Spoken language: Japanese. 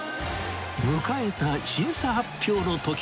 迎えた審査発表のとき。